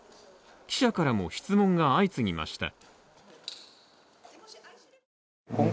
記者からも質問が相次ぎました。